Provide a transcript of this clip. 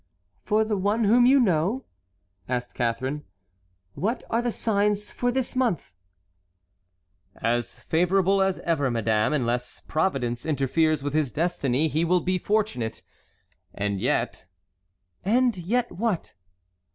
"For the one whom you know," asked Catharine, "what are the signs for this month?" "As favorable as ever, madame; unless Providence interferes with his destiny he will be fortunate. And yet"— "And yet what?"